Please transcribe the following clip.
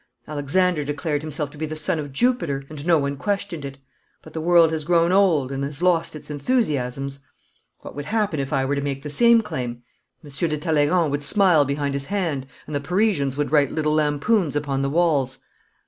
Alexander declared himself to be the son of Jupiter, and no one questioned it. But the world has grown old, and has lost its enthusiasms. What would happen if I were to make the same claim? Monsieur de Talleyrand would smile behind his hand, and the Parisians would write little lampoons upon the walls.'